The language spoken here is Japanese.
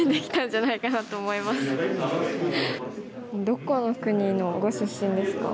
どこの国のご出身ですか？